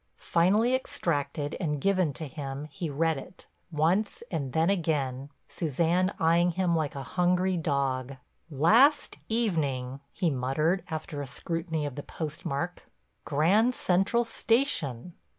Finally extracted and given to him he read it, once and then again, Suzanne eyeing him like a hungry dog. "Last evening," he muttered after a scrutiny of the postmark, "Grand Central Station."